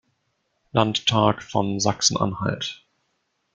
Landtag von Sachsen-Anhalt.